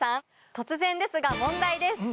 突然ですが問題です。